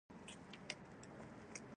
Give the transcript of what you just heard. زبېښونکي بنسټونه یې لرل.